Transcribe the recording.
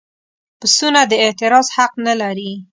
پسونه د اعتراض حق نه لري.